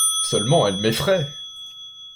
Seulement elle m'effraye.